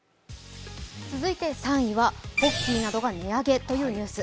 ３位はポッキーなどが値上げというニュース。